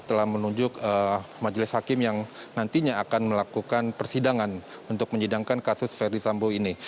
telah menunjuk majelis hakim yang nantinya akan melakukan persidangan untuk menyidangkan kasus verdi sambo ini